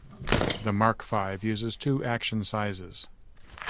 The Mark Five uses two action sizes.